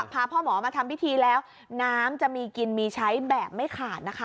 พาพ่อหมอมาทำพิธีแล้วน้ำจะมีกินมีใช้แบบไม่ขาดนะคะ